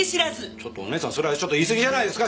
ちょっとお義姉さんそれは言いすぎじゃないですか？